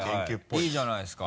いいじゃないですか。